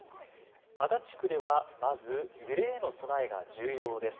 足立区では、まず揺れへの備えが重要です。